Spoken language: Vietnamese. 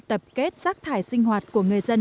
tập kết rác thải sinh hoạt của người dân